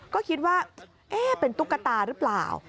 ก็คิดว่าเป็นตุ๊กตาหรือเปล่า